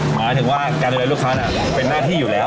หมายถึงว่าการดูแลลูกค้าเป็นหน้าที่อยู่แล้ว